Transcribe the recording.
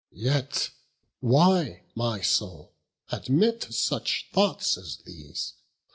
Yet why, my soul, admit such thoughts as these?